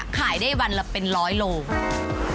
ขายได้วันละเป็น๑๐๐โลกรัม